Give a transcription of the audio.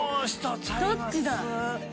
どっちだ？